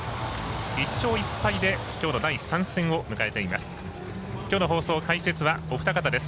１勝１敗できょうの第３戦を迎えています。